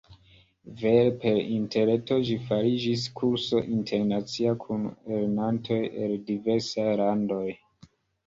Vere, per interreto ĝi fariĝis kurso internacia kun lernantoj el diversaj landoj.